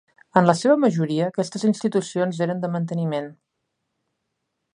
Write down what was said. En la seva majoria, aquestes institucions eren de manteniment.